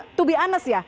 untuk jujur ya